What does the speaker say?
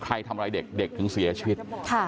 ใครทำอะไรเด็กเด็กถึงเสียชีวิต